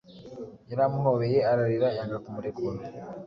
Yaramuhobeye, ararira, yanga kumurekura